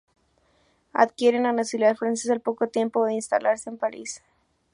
Adquieren la nacionalidad francesa al poco tiempo de instalarse en París.